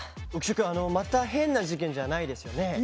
浮所くんまた変な事件じゃないですよね？